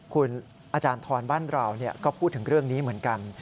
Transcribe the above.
คุณอาจารย์ทรบ้านเราก็พูดถึงเรื่องนี้เหมือนกัน